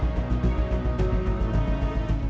kami juga mencoba untuk menjelaskan